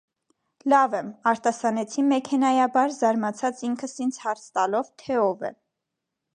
- Լավ եմ,- արտասանեցի մեքենայաբար, զարմացած ինքս ինձ հարց տալով, թե ո՛վ է: